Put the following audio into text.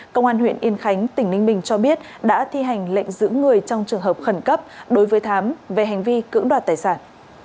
công an huyện yên khánh tỉnh ninh bình cho biết đã thi hành lệnh giữ người trong trường hợp khẩn cấp đối với thám về hành vi cưỡng đoạt tài sản